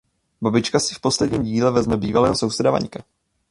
Babička si v posledním díle vezme bývalého souseda Vaňka.